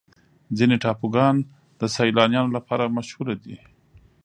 ځینې ټاپوګان د سیلانیانو لپاره مشهوره دي.